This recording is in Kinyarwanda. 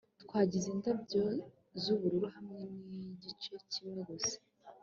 twagize indabyo z'ubururu hamwe nigice kimwe gusa